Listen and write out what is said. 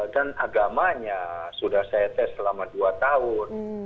dan agamanya sudah saya tes selama dua tahun